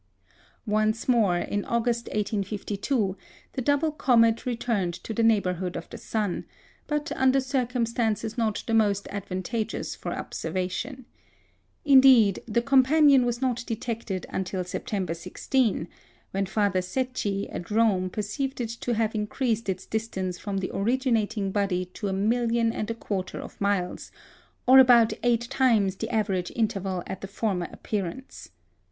Once more, in August, 1852, the double comet returned to the neighbourhood of the sun, but under circumstances not the most advantageous for observation. Indeed, the companion was not detected until September 16, when Father Secchi at Rome perceived it to have increased its distance from the originating body to a million and a quarter of miles, or about eight times the average interval at the former appearance.